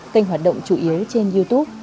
kênh hoạt động chủ yếu trên youtube